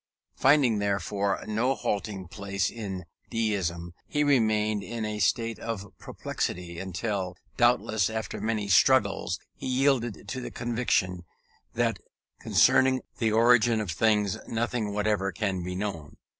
Finding, therefore, no halting place in Deism, he remained in a state of perplexity, until, doubtless after many struggles, he yielded to the conviction, that concerning the origin of things nothing whatever can be known.